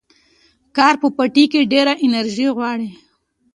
کار په پټي کې ډېره انرژي غواړي.